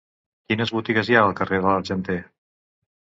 Quines botigues hi ha al carrer de l'Argenter?